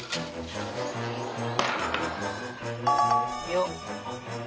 よっ。